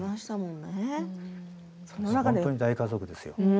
本当に大家族ですよ。